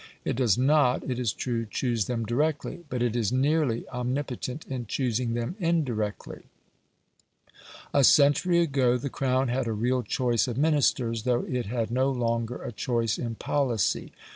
It does not, it is true, choose them directly; but it is nearly omnipotent in choosing them indirectly. A century ago the Crown had a real choice of Ministers, though it had no longer a choice in policy.